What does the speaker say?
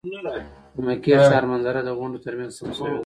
د مکې ښار منظره د غونډیو تر منځ ثبت شوې ده.